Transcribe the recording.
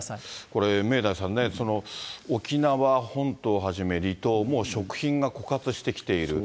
これ、明大さんね、沖縄本島をはじめ、離島も食品が枯渇してきている。